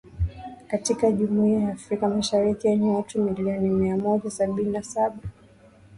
katika Jumuiya ya Afrika Mashariki yenye watu milioni mia Mmoja sabini na saba